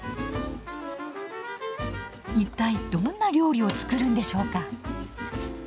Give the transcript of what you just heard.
一体どんな料理を作るんでしょうか。